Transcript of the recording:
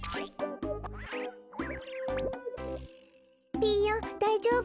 ピーヨンだいじょうぶ？